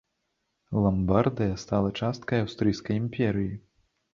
Ламбардыя стала часткай аўстрыйскай імперыі.